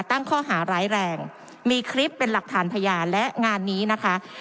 ตั้งข้อหาร้ายแรงมีคลิปเป็นหลักฐานพยานและงานนี้นะคะ